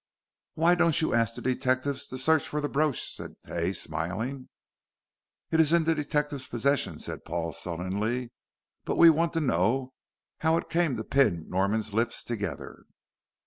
"Why don't you ask the detectives to search for the brooch," said Hay, smiling. "It is in the detective's possession," said Paul, sullenly; "but we want to know how it came to pin Norman's lips together."